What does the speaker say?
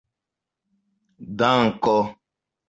danko